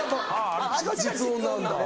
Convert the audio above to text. あっちが実音なんだ。